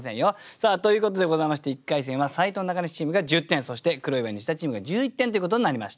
さあということでございまして１回戦は斉藤中西チームが１０点そして黒岩ニシダチームが１１点ということになりました。